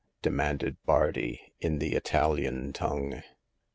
" demanded Bardi, in the Italian tongue.